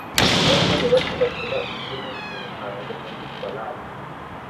Abasore bake babyina imbyino yimihango muri parade